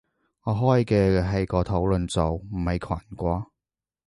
我開嘅係個討論組，唔係群喎